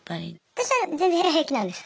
私は全然平気なんです。